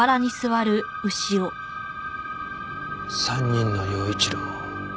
３人の耀一郎。